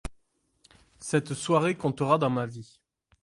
Cette soirée comptera dans ma vie.